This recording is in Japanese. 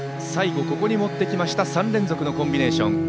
最後に持ってきました３連続のコンビネーション。